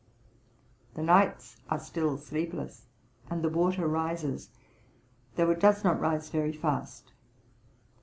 "_ The nights are still sleepless, and the water rises, though it does not rise very fast.